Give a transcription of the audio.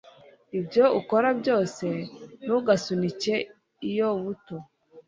Ibyo ukora byose, ntugasunike iyo buto.